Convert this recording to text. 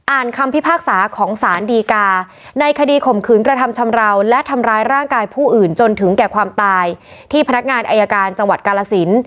คำพิพากษาของสารดีกาในคดีข่มขืนกระทำชำราวและทำร้ายร่างกายผู้อื่นจนถึงแก่ความตายที่พนักงานอายการจังหวัดกาลสิน